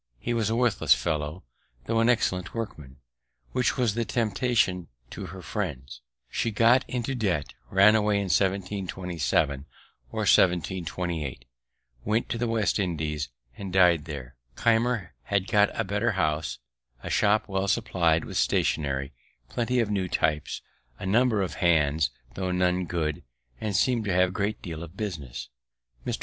He was a worthless fellow, tho' an excellent workman, which was the temptation to her friends. He got into debt, ran away in 1727 or 1728, went to the West Indies, and died there. Keimer had got a better house, a shop well supply'd with stationery, plenty of new types, a number of hands, tho' none good, and seem'd to have a great deal of business. Mr.